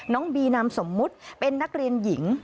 บีนามสมมุติเป็นนักเรียนหญิง